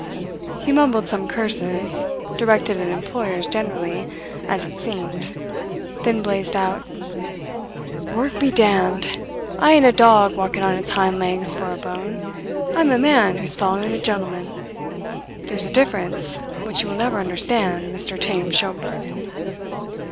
He mumbled some curses, directed at employers generally, as it seemed, then blazed out: "Work be damned! I ain't a dog walking on its hind legs for a bone; I am a man who's following a gentleman. There's a difference which you will never understand, Mr. Tame Schomberg."